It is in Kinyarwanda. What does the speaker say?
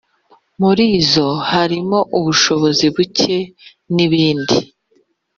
Muri zo harimo ubushobozi buke n’ibindi.